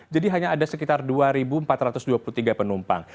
jadi hanya ada sekitar dua empat ratus dua puluh tiga penumpang